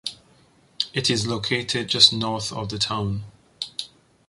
It is located just north of the town.